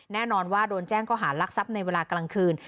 แน่นอนว่าโดนแจ้งก็หารักทรัพย์ในเวลากลางคืน